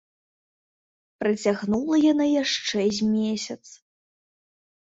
Працягнула яна яшчэ з месяц.